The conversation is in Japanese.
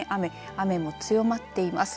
雨も強まっています。